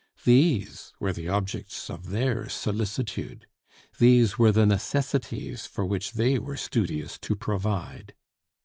These were the objects of their solicitude. These were the necessities for which they were studious to provide.